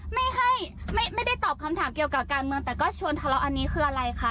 ไม่ให้ไม่ได้ตอบคำถามเกี่ยวกับการเมืองแต่ก็ชวนทะเลาะอันนี้คืออะไรคะ